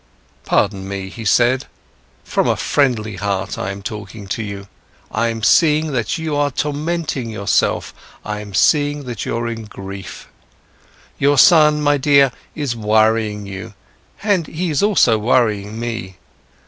"Pardon me," he said, "from a friendly heart, I'm talking to you. I'm seeing that you are tormenting yourself, I'm seeing that you're in grief. Your son, my dear, is worrying you, and he is also worrying me.